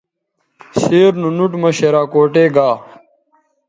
سیر نو نُوٹ مہ شراکوٹے گا